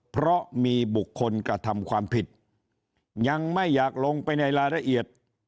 เพราะมีบุคคลกระทำความผิดยังไม่อยากลงไปในรายละเอียด